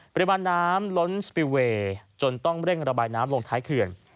ปริมาณน้ำล้นสปิลเวย์จนต้องเร่งระบายน้ำลงท้ายเขื่อน